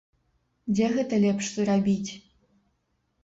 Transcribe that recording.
Дзе гэта лепш зрабіць?